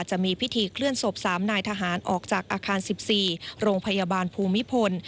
จะมีพิธีเคลื่อนศพ๓นายทหารออกจากอาคาร๑๔โรงพยาบาลภูมิพล